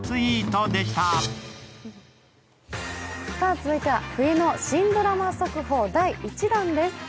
続いては、冬の新ドラマ速報第１弾です。